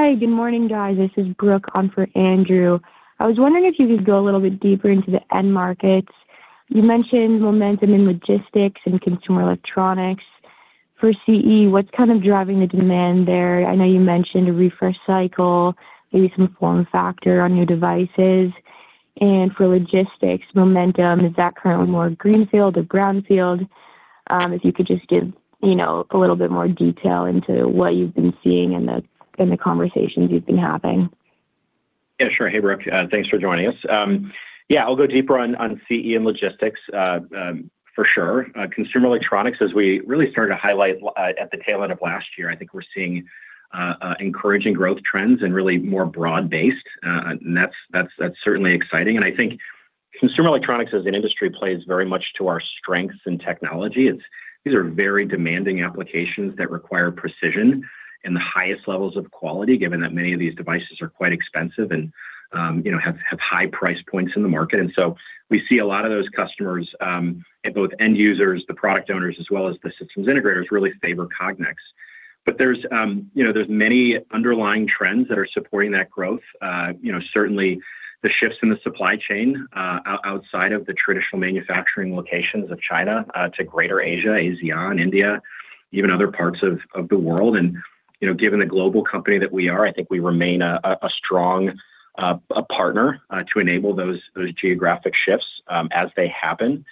Hi, good morning, guys. This is Brooke on for Andrew. I was wondering if you could go a little bit deeper into the end markets. You mentioned momentum in logistics and consumer electronics. For CE, what's kind of driving the demand there? I know you mentioned a refresh cycle, maybe some form factor on new devices. And for logistics momentum, is that currently more greenfield or brownfield? If you could just give, you know, a little bit more detail into what you've been seeing in the conversations you've been having. Yeah, sure. Hey, Brooke, thanks for joining us. Yeah, I'll go deeper on CE and logistics, for sure. Consumer electronics, as we really started to highlight at the tail end of last year, I think we're seeing encouraging growth trends and really more broad-based, and that's, that's, that's certainly exciting. And I think consumer electronics as an industry plays very much to our strengths in technology. It's. These are very demanding applications that require precision and the highest levels of quality, given that many of these devices are quite expensive and, you know, have high price points in the market. And so we see a lot of those customers, and both end users, the product owners, as well as the systems integrators, really favor Cognex. But there's, you know, there's many underlying trends that are supporting that growth. You know, certainly the shifts in the supply chain, outside of the traditional manufacturing locations of China, to Greater Asia, ASEAN, India, even other parts of the world. And, you know, given the global company that we are, I think we remain a strong, a partner, to enable those geographic shifts, as they happen.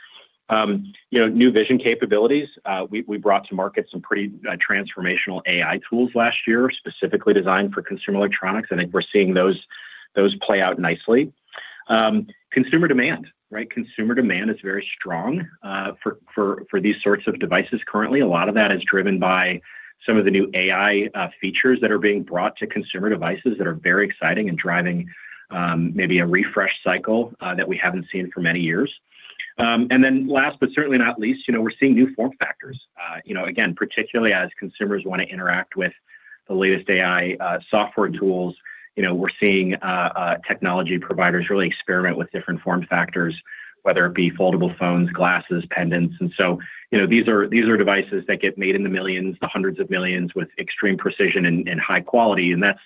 You know, new vision capabilities, we brought to market some pretty transformational AI tools last year, specifically designed for consumer electronics. I think we're seeing those play out nicely. Consumer demand, right? Consumer demand is very strong, for these sorts of devices currently. A lot of that is driven by some of the new AI features that are being brought to consumer devices that are very exciting and driving maybe a refresh cycle that we haven't seen for many years. And then last, but certainly not least, you know, we're seeing new form factors. You know, again, particularly as consumers want to interact with the latest AI software tools, you know, we're seeing technology providers really experiment with different form factors, whether it be foldable phones, glasses, pendants. And so, you know, these are, these are devices that get made in the millions, the hundreds of millions, with extreme precision and high quality, and that's,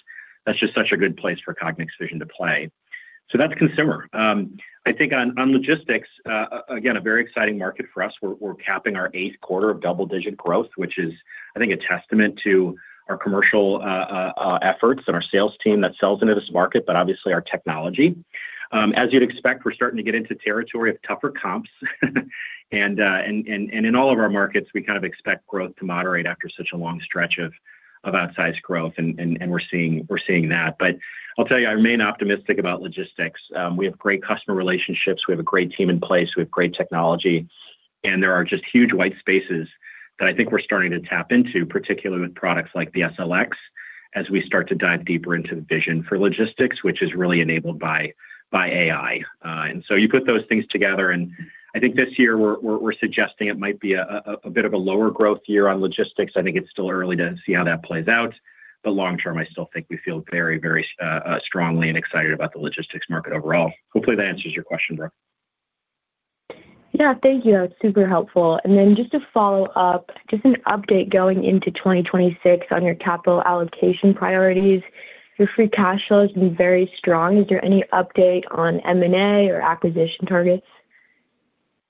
that's just such a good place for Cognex vision to play. So that's consumer. I think on logistics, again, a very exciting market for us. We're capping our eighth quarter of double-digit growth, which is, I think, a testament to our commercial efforts and our sales team that sells into this market, but obviously our technology. As you'd expect, we're starting to get into territory of tougher comps, and in all of our markets, we kind of expect growth to moderate after such a long stretch of outsized growth, and we're seeing that. But I'll tell you, I remain optimistic about logistics. We have great customer relationships, we have a great team in place, we have great technology, and there are just huge white spaces that I think we're starting to tap into, particularly with products like the SLX, as we start to dive deeper into the vision for logistics, which is really enabled by AI. And so you put those things together, and I think this year we're suggesting it might be a bit of a lower growth year on logistics. I think it's still early to see how that plays out, but long term, I still think we feel very, very strongly and excited about the logistics market overall. Hopefully, that answers your question, Brooke. Yeah. Thank you. That's super helpful. And then just to follow up, just an update going into 2026 on your capital allocation priorities. Your free cash flow has been very strong. Is there any update on M&A or acquisition targets?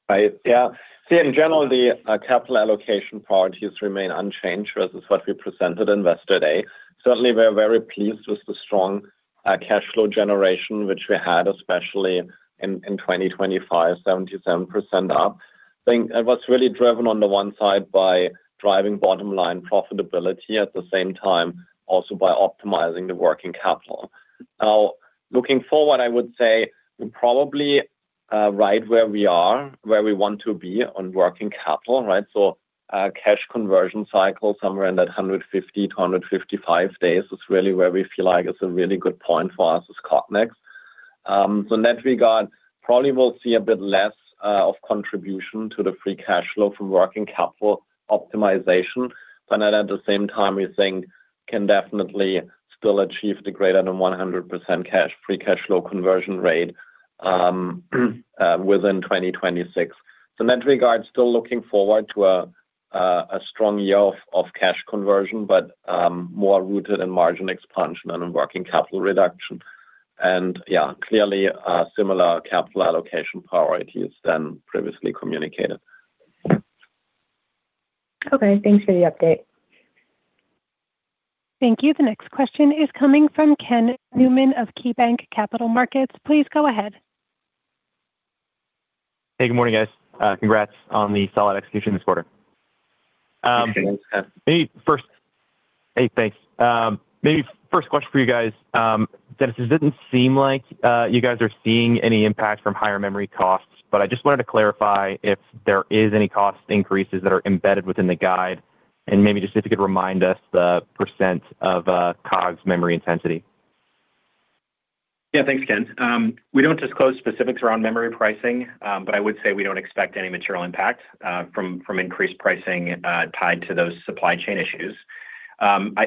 Right. Yeah. See, in general, the capital allocation priorities remain unchanged versus what we presented in Investor Day. Certainly, we're very pleased with the strong cash flow generation, which we had, especially in 2025, 77% up. I think it was really driven, on the one side, by driving bottom-line profitability, at the same time, also by optimizing the working capital. Now, looking forward, I would say we're probably right where we are, where we want to be on working capital, right? So, cash conversion cycle, somewhere in that 150 to 155 days, is really where we feel like it's a really good point for us as Cognex. So in that regard, probably we'll see a bit less of contribution to the free cash flow from working capital optimization, but at the same time, we think can definitely still achieve the greater than 100% cash free cash flow conversion rate within 2026. So in that regard, still looking forward to a strong year of cash conversion, but more rooted in margin expansion and in working capital reduction. And yeah, clearly similar capital allocation priorities than previously communicated. Okay, thanks for the update. Thank you. The next question is coming from Ken Newman of KeyBanc Capital Markets. Please go ahead. Hey, good morning, guys. Congrats on the solid execution this quarter. Maybe first- Hey. Hey, thanks. Maybe first question for you guys. Dennis, it didn't seem like you guys are seeing any impact from higher memory costs, but I just wanted to clarify if there is any cost increases that are embedded within the guide, and maybe just if you could remind us the percent of COGS memory intensity. Yeah. Thanks, Ken. We don't disclose specifics around memory pricing, but I would say we don't expect any material impact from increased pricing tied to those supply chain issues.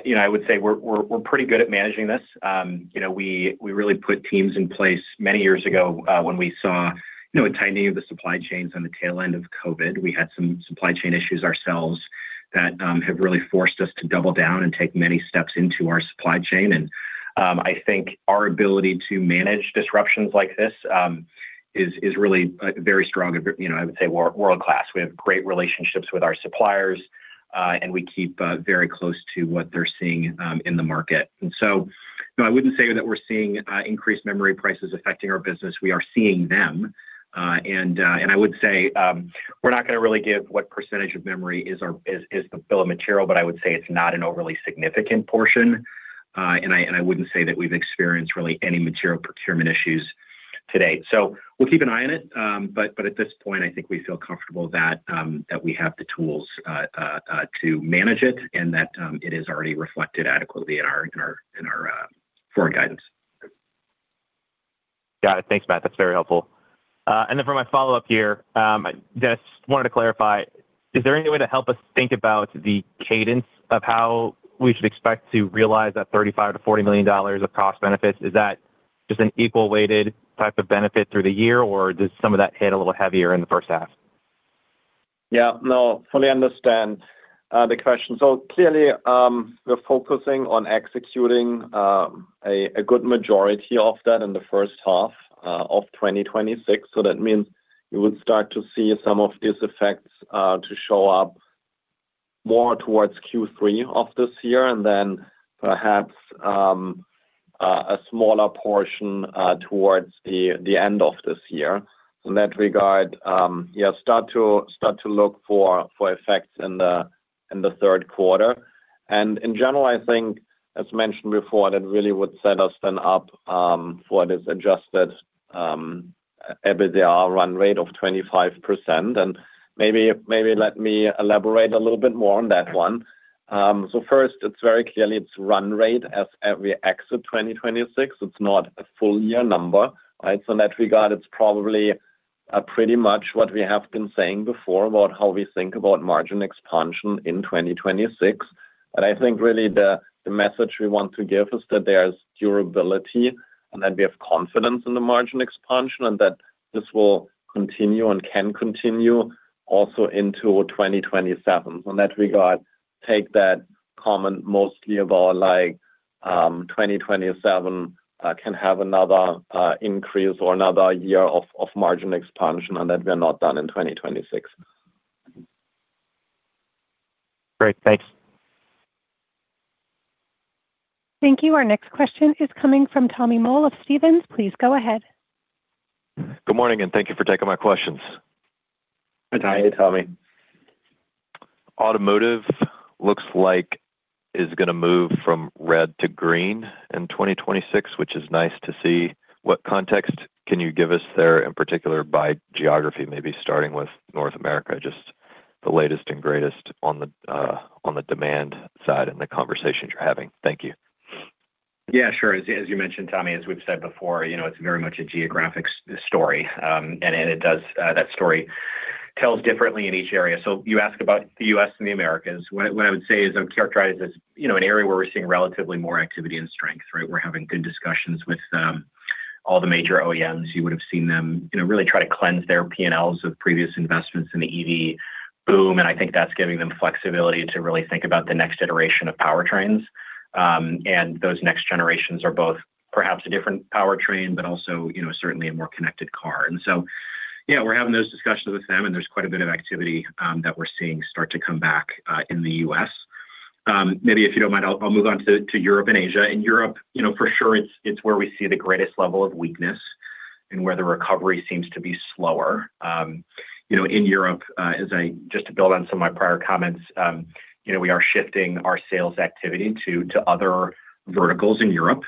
You know, I would say we're pretty good at managing this. You know, we really put teams in place many years ago when we saw a tightening of the supply chains on the tail end of COVID. We had some supply chain issues ourselves that have really forced us to double down and take many steps into our supply chain. I think our ability to manage disruptions like this is really very strong. You know, I would say we're world-class. We have great relationships with our suppliers, and we keep very close to what they're seeing in the market. And so no, I wouldn't say that we're seeing increased memory prices affecting our business. We are seeing them- ... and I would say, we're not gonna really give what percentage of memory is the bill of material, but I would say it's not an overly significant portion. And I wouldn't say that we've experienced really any material procurement issues today. So we'll keep an eye on it, but at this point, I think we feel comfortable that we have the tools to manage it, and that it is already reflected adequately in our forward guidance. Got it. Thanks, Matt. That's very helpful. And then for my follow-up here, just wanted to clarify, is there any way to help us think about the cadence of how we should expect to realize that $35 million-$40 million of cost benefits? Is that just an equal weighted type of benefit through the year, or does some of that hit a little heavier in the first half? Yeah, no, fully understand the question. So clearly, we're focusing on executing a good majority of that in the first half of 2026. So that means you would start to see some of these effects to show up more towards Q3 of this year, and then perhaps a smaller portion towards the end of this year. In that regard, start to look for effects in the third quarter. And in general, I think, as mentioned before, that really would set us then up for this adjusted EBITDA run rate of 25%. And maybe let me elaborate a little bit more on that one. So first, it's very clearly it's run rate as we exit 2026. It's not a full year number, right? So in that regard, it's probably pretty much what we have been saying before about how we think about margin expansion in 2026. But I think really the message we want to give is that there's durability and that we have confidence in the margin expansion, and that this will continue and can continue also into 2027. In that regard, take that comment mostly about like 2027 can have another increase or another year of margin expansion, and that we're not done in 2026. Great. Thanks. Thank you. Our next question is coming from Tommy Moll of Stephens. Please go ahead. Good morning, and thank you for taking my questions. Hi, Tommy. Automotive looks like is gonna move from red to green in 2026, which is nice to see. What context can you give us there, in particular, by geography, maybe starting with North America, just the latest and greatest on the, on the demand side and the conversations you're having? Thank you. Yeah, sure. As you mentioned, Tommy, as we've said before, you know, it's very much a geographic story, and it does. That story tells differently in each area. So you asked about the U.S. and the Americas. What I would say is I'd characterize as, you know, an area where we're seeing relatively more activity and strength, right? We're having good discussions with all the major OEMs. You would have seen them, you know, really try to cleanse their P&Ls of previous investments in the EV boom, and I think that's giving them flexibility to really think about the next iteration of powertrains. And those next generations are both perhaps a different powertrain, but also, you know, certainly a more connected car. Yeah, we're having those discussions with them, and there's quite a bit of activity that we're seeing start to come back in the U.S. Maybe if you don't mind, I'll move on to Europe and Asia. In Europe, you know, for sure, it's where we see the greatest level of weakness and where the recovery seems to be slower. You know, in Europe, as I just to build on some of my prior comments, you know, we are shifting our sales activity to other verticals in Europe,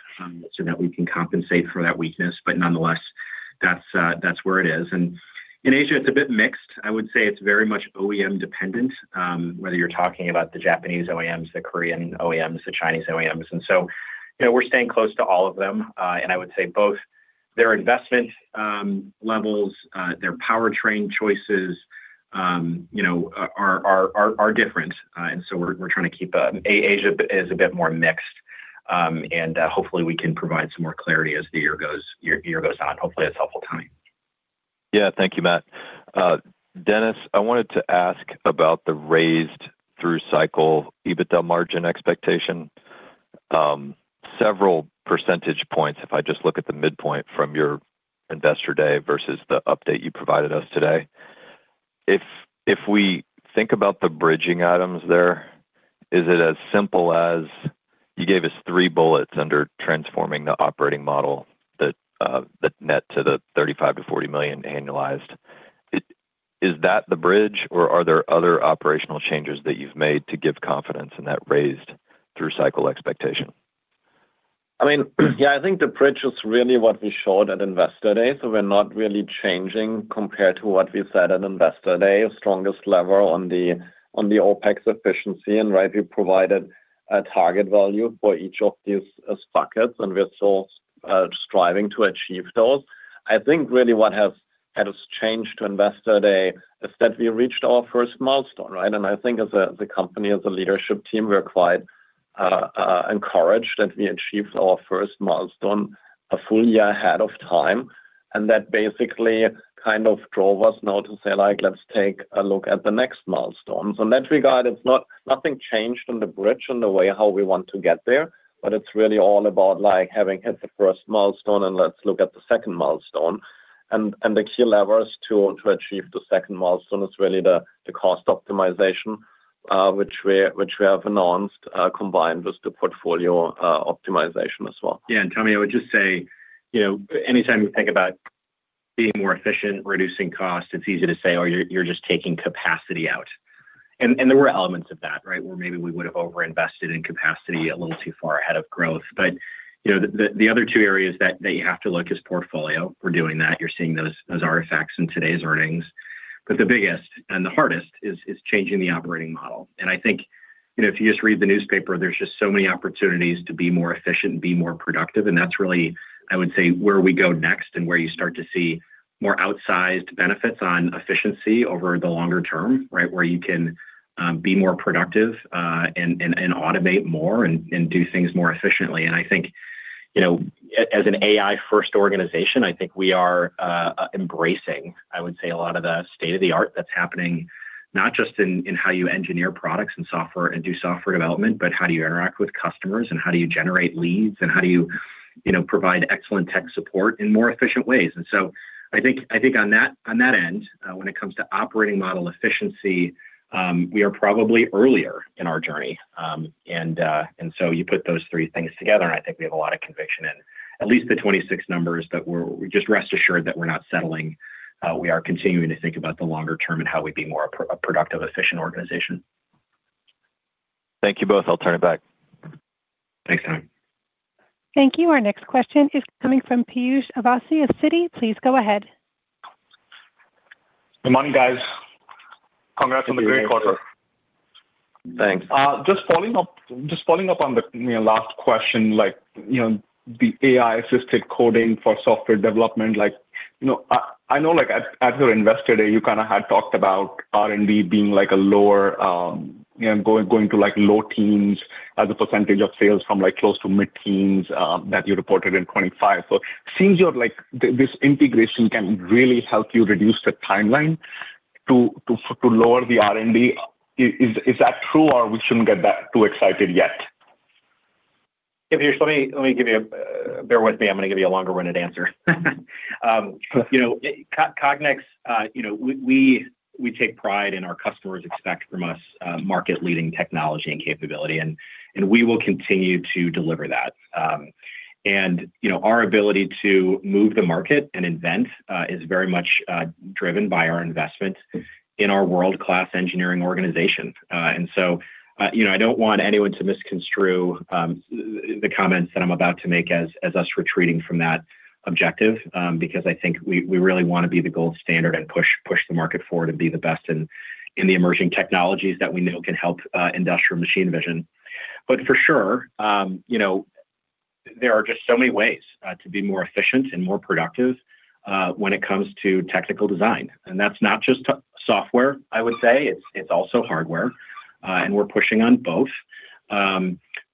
so that we can compensate for that weakness. But nonetheless, that's where it is. And in Asia, it's a bit mixed. I would say it's very much OEM dependent, whether you're talking about the Japanese OEMs, the Korean OEMs, the Chinese OEMs. And so, you know, we're staying close to all of them, and I would say both their investment levels, their powertrain choices, you know, are different. And so we're trying to keep. Asia is a bit more mixed, and hopefully, we can provide some more clarity as the year goes on. Hopefully, that's helpful, Tommy. Yeah. Thank you, Matt. Dennis, I wanted to ask about the raised through cycle EBITDA margin expectation, several percentage points, if I just look at the midpoint from your Investor Day versus the update you provided us today. If we think about the bridging items there, is it as simple as you gave us three bullets under transforming the operating model that that net to the $35 million-$40 million annualized? Is that the bridge, or are there other operational changes that you've made to give confidence in that raised through cycle expectation? I mean, yeah, I think the bridge is really what we showed at Investor Day, so we're not really changing compared to what we said at Investor Day. Our strongest lever on the OpEx efficiency, and right, we provided a target value for each of these buckets, and we're still striving to achieve those. I think really what has changed to Investor Day is that we reached our first milestone, right? And I think as a company, as a leadership team, we're quite encouraged that we achieved our first milestone a full year ahead of time, and that basically kind of drove us now to say, like, "Let's take a look at the next milestone." So in that regard, it's not nothing changed on the bridge and the way how we want to get there, but it's really all about, like, having hit the first milestone, and let's look at the second milestone. And the key levers to achieve the second milestone is really the cost optimization, which we have announced, combined with the portfolio optimization as well. Yeah, and Tommy, I would just say, you know, anytime you think about being more efficient, reducing costs, it's easy to say, oh, you're just taking capacity out. And there were elements of that, right? Where maybe we would have overinvested in capacity a little too far ahead of growth. But, you know, the other two areas that you have to look is portfolio. We're doing that. You're seeing those artifacts in today's earnings. But the biggest and the hardest is changing the operating model. And I think, you know, if you just read the newspaper, there's just so many opportunities to be more efficient and be more productive, and that's really, I would say, where we go next and where you start to see more outsized benefits on efficiency over the longer term, right? Where you can be more productive, and automate more and do things more efficiently. And I think, you know, as an AI-first organization, I think we are embracing, I would say, a lot of the state-of-the-art that's happening, not just in how you engineer products and software and do software development, but how do you interact with customers, and how do you generate leads, and how do you, you know, provide excellent tech support in more efficient ways? And so I think, I think on that, on that end, when it comes to operating model efficiency, we are probably earlier in our journey. And so you put those three things together, and I think we have a lot of conviction in at least the 26 numbers, but we're just rest assured that we're not settling. We are continuing to think about the longer term and how we be more a productive, efficient organization. Thank you both. I'll turn it back. Thanks, Tommy. Thank you. Our next question is coming from Piyush Avasthy of Citi. Please go ahead. Good morning, guys. Congrats on the great quarter. Thanks. Thanks. Just following up, just following up on the, you know, last question, like, you know, the AI-assisted coding for software development. Like, you know, I know, like, at your Investor Day, you kind of had talked about R&D being like a lower, you know, going to, like, low teens as a percentage of sales from, like, close to mid-teens, that you reported in 2025. So it seems you're like, this integration can really help you reduce the timeline to lower the R&D. Is that true, or we shouldn't get that too excited yet? Piyush, let me give you a bear with me, I'm gonna give you a longer-winded answer. You know, Cognex, you know, we take pride in our customers expect from us, market-leading technology and capability, and we will continue to deliver that. And, you know, our ability to move the market and invent is very much driven by our investment in our world-class engineering organization. And so, you know, I don't want anyone to misconstrue the comments that I'm about to make as us retreating from that objective, because I think we really wanna be the gold standard and push the market forward and be the best in the emerging technologies that we know can help industrial machine vision. But for sure, you know, there are just so many ways to be more efficient and more productive when it comes to technical design. And that's not just software, I would say. It's, it's also hardware, and we're pushing on both.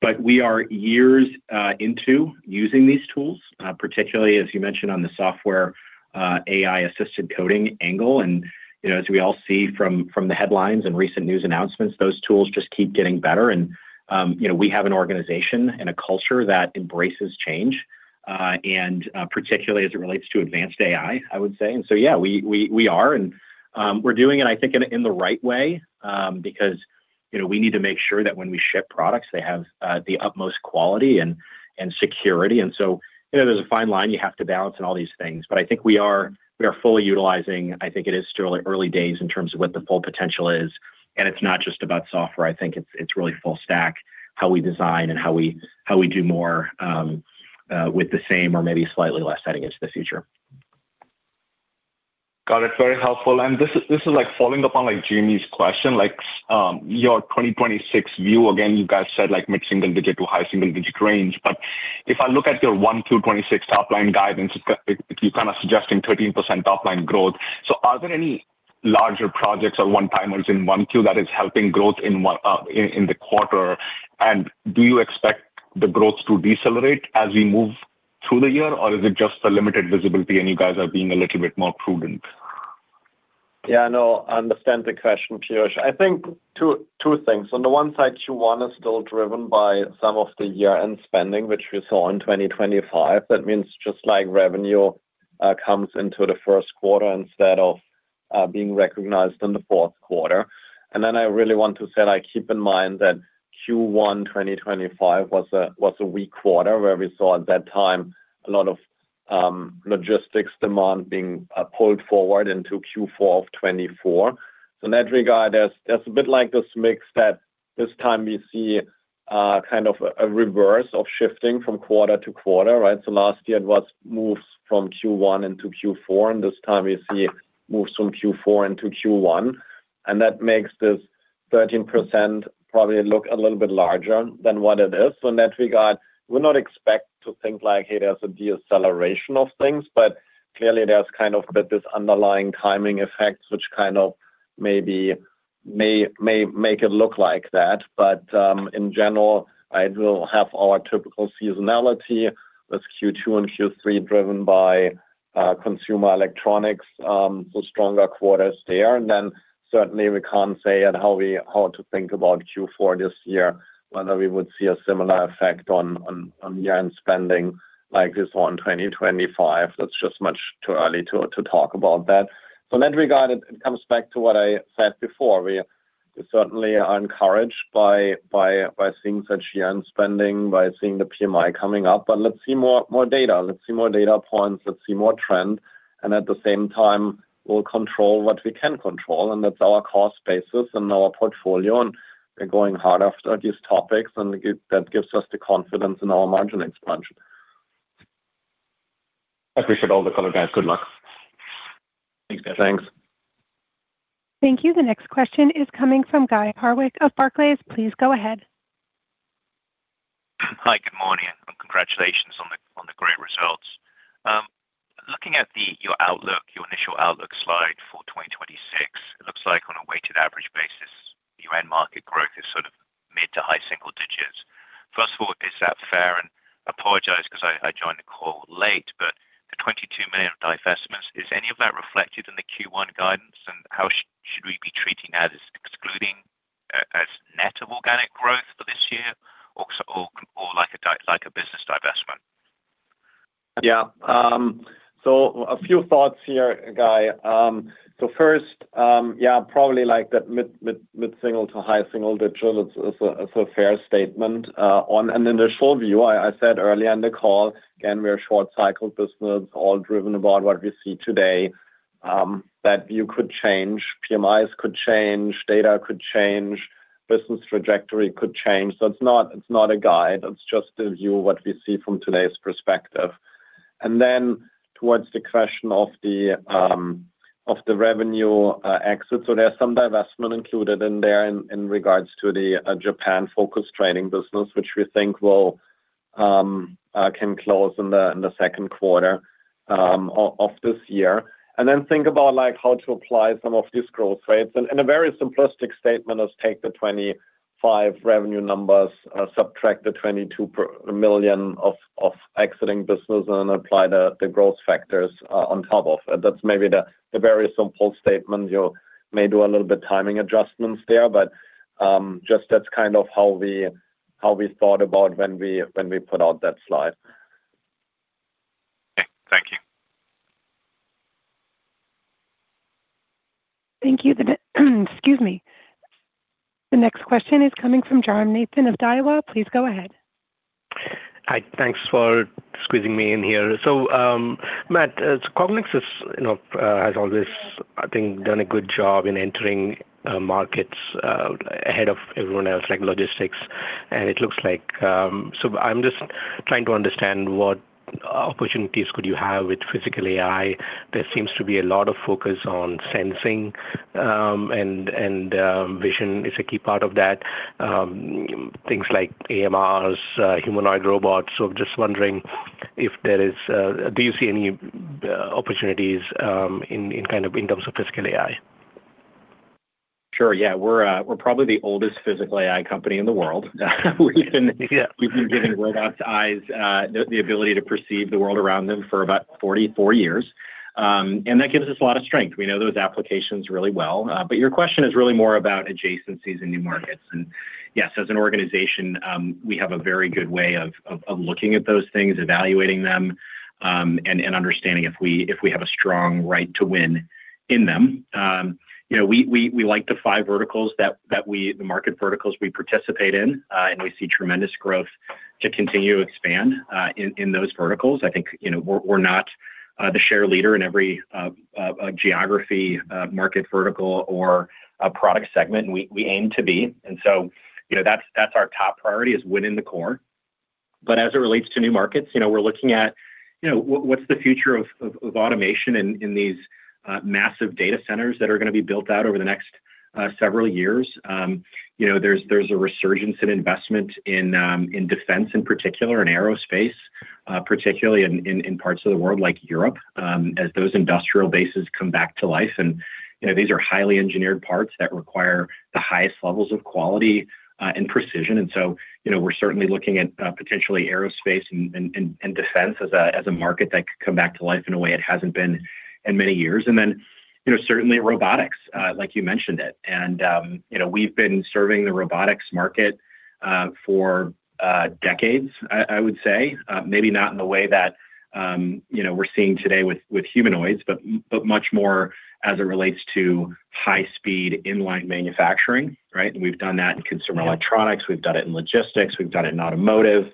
But we are years into using these tools, particularly, as you mentioned, on the software, AI-assisted coding angle. And, you know, as we all see from the headlines and recent news announcements, those tools just keep getting better. And, you know, we have an organization and a culture that embraces change, and particularly as it relates to advanced AI, I would say. And so, yeah, we are and we're doing it, I think, in the right way, because, you know, we need to make sure that when we ship products, they have the utmost quality and security. And so, you know, there's a fine line you have to balance in all these things. But I think we are fully utilizing... I think it is still, like, early days in terms of what the full potential is, and it's not just about software. I think it's really full stack, how we design and how we do more with the same or maybe slightly less heading into the future. Got it. Very helpful. This is, like, following up on, like, Jamie's question, like, your 2026 view. Again, you guys said, like, mid-single digit to high single digit range. But if I look at your to 2026 top-line guidance, it, you're kind of suggesting 13% top-line growth. So are there any larger projects or one-timers in 1Q that is helping growth in one, in, in the quarter? And do you expect the growth to decelerate as we move through the year, or is it just a limited visibility, and you guys are being a little bit more prudent? Yeah, no, I understand the question, Piyush. I think two things. On the one side, Q1 is still driven by some of the year-end spending, which we saw in 2025. That means just like revenue comes into the first quarter instead of being recognized in the fourth quarter. And then I really want to say, like, keep in mind that Q1 2025 was a weak quarter, where we saw at that time a lot of logistics demand being pulled forward into Q4 of 2024. So in that regard, there's a bit like this mix that this time we see kind of a reverse of shifting from quarter to quarter, right? So last year it was moves from Q1 into Q4, and this time we see moves from Q4 into Q1, and that makes this 13% probably look a little bit larger than what it is. So in that regard, we not expect to think like, hey, there's a deceleration of things, but clearly there's kind of that, this underlying timing effects, which kind of maybe make it look like that. But in general, it will have our typical seasonality with Q2 and Q3 driven by consumer electronics, so stronger quarters there. And then certainly we can't say yet how to think about Q4 this year, whether we would see a similar effect on year-end spending like we saw in 2025. That's just much too early to talk about that. So in that regard, it comes back to what I said before. We certainly are encouraged by seeing such year-end spending, by seeing the PMI coming up, but let's see more data. Let's see more data points, let's see more trend, and at the same time, we'll control what we can control, and that's our cost basis and our portfolio, and we're going hard after these topics, and that gives us the confidence in our margin expansion. Appreciate all the color, guys. Good luck. Thanks. Thank you. The next question is coming from Guy Hardwick of Barclays. Please go ahead. Hi, good morning, and congratulations on the great results. Looking at your outlook, your initial outlook slide for 2026, it looks like on a weighted average basis, end market growth is sort of mid to high single digits. First of all, is that fair? And apologize because I joined the call late, but the $22 million divestments, is any of that reflected in the Q1 guidance? And how should we be treating that as excluding, as net of organic growth for this year or or like a business divestment? Yeah. So a few thoughts here, Guy. So first, yeah, probably like that mid-single to high single digit is a fair statement on an initial view. I said earlier in the call, again, we're a short cycle business, all driven about what we see today. That view could change, PMIs could change, data could change, business trajectory could change. So it's not a guide, it's just a view of what we see from today's perspective. And then towards the question of the revenue exit, so there's some divestment included in there in regards to the Japan-focused trading business, which we think will close in the second quarter of this year. And then think about, like, how to apply some of these growth rates. A very simplistic statement is take the 25 revenue numbers, subtract the $22 million of exiting business and apply the growth factors on top of it. That's maybe the very simple statement. You may do a little bit timing adjustments there, but just that's kind of how we thought about when we put out that slide. Okay. Thank you. Thank you. Excuse me. The next question is coming from Jairam Nathan of Daiwa. Please go ahead. Hi, thanks for squeezing me in here. So, Matt, Cognex is, you know, has always, I think, done a good job in entering markets ahead of everyone else, like logistics, and it looks like... So I'm just trying to understand what opportunities could you have with physical AI. There seems to be a lot of focus on sensing, and vision is a key part of that, things like AMRs, humanoid robots. So just wondering if there is, do you see any opportunities in kind of in terms of physical AI? Sure, yeah. We're probably the oldest physical AI company in the world. We've been- Yeah... we've been giving robots eyes, the ability to perceive the world around them for about 44 years, and that gives us a lot of strength. We know those applications really well. But your question is really more about adjacencies and new markets. And yes, as an organization, we have a very good way of looking at those things, evaluating them, and understanding if we have a strong right to win in them. You know, we like the five verticals, the market verticals we participate in, and we see tremendous growth to continue to expand in those verticals. I think, you know, we're not the share leader in every geography, market vertical or a product segment, and we aim to be. And so, you know, that's our top priority, is winning the core. But as it relates to new markets, you know, we're looking at, you know, what's the future of automation in these massive data centers that are gonna be built out over the next several years? You know, there's a resurgence in investment in defense, in particular, in aerospace, particularly in parts of the world like Europe, as those industrial bases come back to life. And, you know, these are highly engineered parts that require the highest levels of quality and precision. And so, you know, we're certainly looking at potentially aerospace and defense as a market that could come back to life in a way it hasn't been in many years. And then, you know, certainly robotics, like you mentioned it. And you know, we've been serving the robotics market for decades, I would say. Maybe not in the way that you know, we're seeing today with humanoids, but much more as it relates to high speed inline manufacturing, right? We've done that in consumer electronics- Yeah... we've done it in logistics, we've done it in automotive,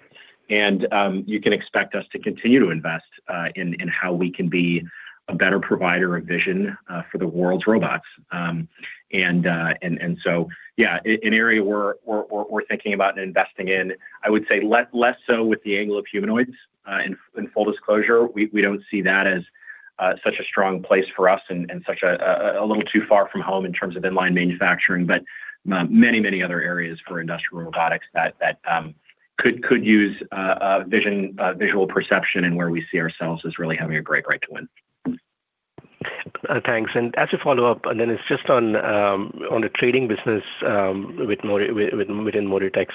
and you can expect us to continue to invest in how we can be a better provider of vision for the world's robots. And so, yeah, an area we're thinking about and investing in, I would say less so with the angle of humanoids. In full disclosure, we don't see that as such a strong place for us and such a little too far from home in terms of inline manufacturing, but many, many other areas for industrial robotics that could use a vision visual perception, and where we see ourselves as really having a great right to win. Thanks. As a follow-up, it's just on the trading business within Moritex.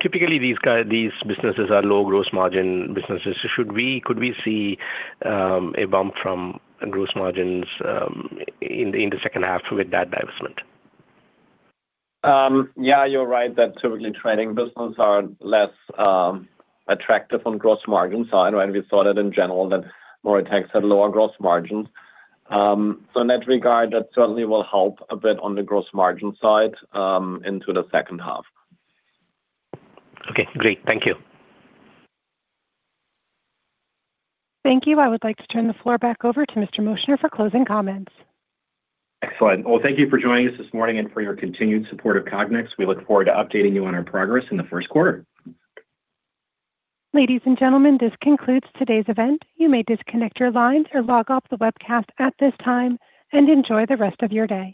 Typically these businesses are low gross margin businesses. Could we see a bump from gross margins in the second half with that divestment? Yeah, you're right that typically, trading business are less attractive on gross margin side. When we saw that in general, that Moritex had lower gross margins. So in that regard, that certainly will help a bit on the gross margin side into the second half. Okay, great. Thank you. Thank you. I would like to turn the floor back over to Mr. Moschner for closing comments. Excellent. Well, thank you for joining us this morning, and for your continued support of Cognex. We look forward to updating you on our progress in the first quarter. Ladies and gentlemen, this concludes today's event. You may disconnect your lines or log off the webcast at this time, and enjoy the rest of your day.